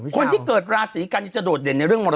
คุณที่เกิดราศรีกันที่จะโดดเด่นในเรื่องมระดุก